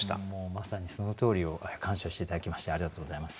まさにそのとおりを鑑賞して頂きましてありがとうございます。